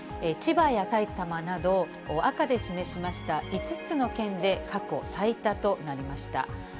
千葉や埼玉など、赤で示しました５つの県で過去最多となりました。